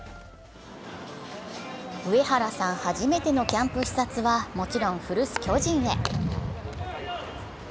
上原さん、初めてのキャンプ視察はもちろん古巣・巨人へ。